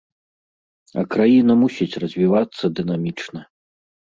А краіна мусіць развівацца дынамічна.